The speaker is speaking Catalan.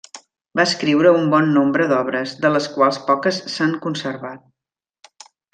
Va escriure un bon nombre d'obres, de les quals poques s'han conservat.